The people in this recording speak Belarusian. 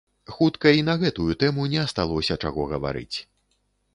Хутка і на гэтую тэму не асталося чаго гаварыць.